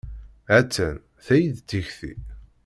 Hattan, tayi d tikti.